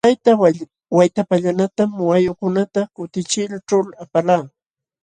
Tayta Waytapallanatam wayukunata kutichiyćhu apalqaa.